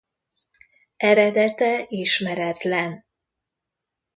Eredete ismeretlen.